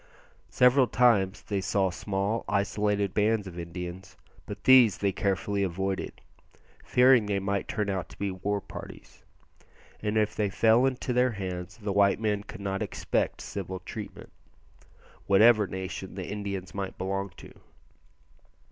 Several times they saw small isolated bands of Indians; but these they carefully avoided, fearing they might turn out to be war parties, and if they fell into their hands the white men could not expect civil treatment, whatever nation the Indians might belong to.